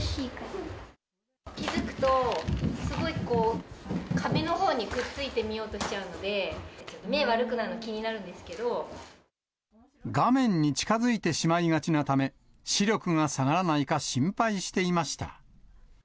気付くと、すごい壁のほうにくっついて見ようとしちゃうので、画面に近づいてしまいがちなため、視力が下がらないか心配していました。